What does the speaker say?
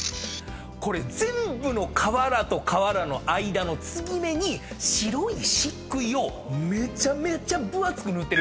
これ全部の瓦と瓦の間の継ぎ目に白い漆喰をめちゃめちゃ分厚く塗ってるんです。